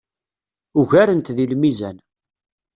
Ugaren-t deg lmizan.